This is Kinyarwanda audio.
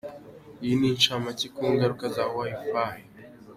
Iyi ni incamake ku ngaruka za Wi-Fi.